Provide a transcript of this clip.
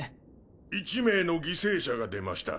１名の犠牲者が出ました。